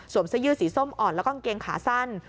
สวมสะยือสีส้มอ่อนและก็เกงขาสั้น